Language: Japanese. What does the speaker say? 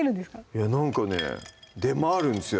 いやなんかね出回るんですよ